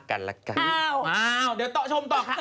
ขอต่อเลยค่ะ